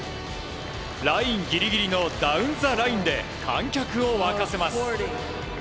ラインギリギリのダウンザラインで観客を沸かせます。